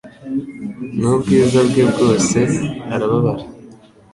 N'ubwiza bwe bwose arababara